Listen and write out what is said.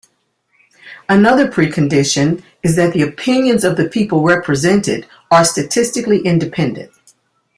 Another precondition is that the opinions of the people represented are statistically independent.